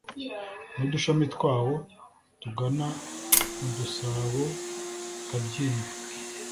n'udushami twawo tugana mu dusabo bikabyimba